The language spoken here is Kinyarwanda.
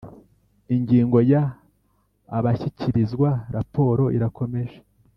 Ingingo ya Abashyikirizwa raporo irakomeje